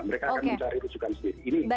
mereka akan mencari rujukan sendiri